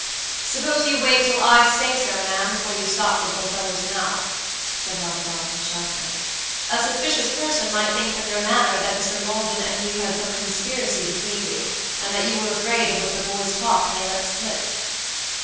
"Suppose you wait till I say so, ma'am, before you stop the little fellow's mouth," said Robert Audley, sharply. "A suspicious person might think from your manner that Mr. Maldon and you had some conspiracy between you, and that you were afraid of what the boy's talk may let slip."